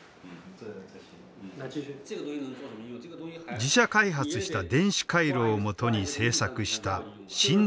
自社開発した電子回路をもとに製作した振動センサー。